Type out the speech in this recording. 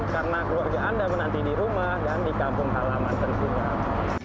karena keluarga anda menanti di rumah dan di kampung halaman tersebut